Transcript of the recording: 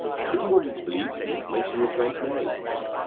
If you want me to believe you, mention your friend's name."